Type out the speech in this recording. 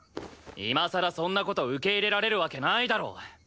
今さらそんな事受け入れられるわけないだろ！